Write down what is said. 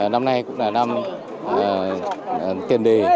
năm nay cũng là năm tiền đề